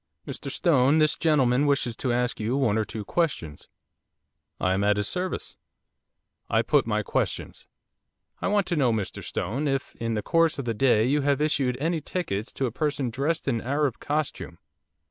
'Mr Stone, this gentleman wishes to ask you one or two questions.' 'I am at his service.' I put my questions. 'I want to know, Mr Stone, if, in the course of the day, you have issued any tickets to a person dressed in Arab costume?